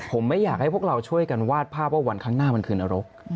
ผมไม่อยากให้พวกเราช่วยกันวาดภาพว่าวันข้างหน้ามันคือนรก